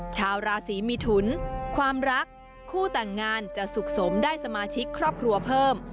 ชาวราศีมิถุนความรักคู่แต่งงานจะสุขสมได้สมาชิกครอบครัวเพิ่ม